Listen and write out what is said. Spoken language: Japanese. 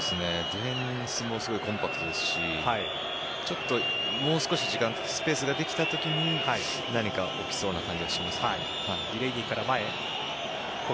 ディフェンスもコンパクトですしもう少し時間、スペースができたときに何か起きそうな感じがします。